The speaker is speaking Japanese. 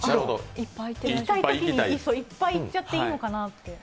行きたいときに、いっぱい行っちゃっていいのかなって。